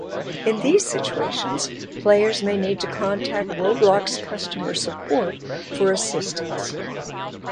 In these situations, players may need to contact Roblox customer support for assistance.